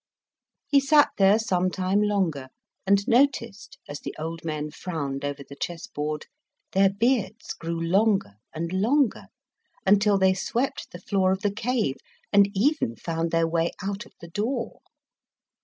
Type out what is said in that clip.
He sat there some time longer, and noticed that as the old men frowned over the chessboard, their beards grew longer and longer, until they swept the floor of the cave, and even found their way out of the door.